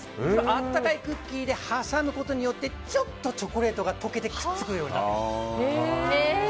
温かいクッキーで挟むことによってちょっとチョコレートが溶けてくっつくような。